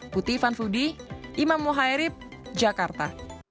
putih vanvudie imam mohairib jakarta